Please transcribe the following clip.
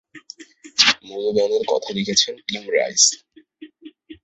মূল গানের কথা লিখেছেন টিম রাইস।